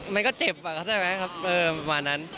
มันก็เจ็บใช่ไหมครับประมาณนั้น